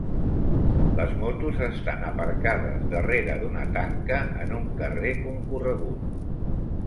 Les motos estan aparcades darrere d'una tanca en un carrer concorregut.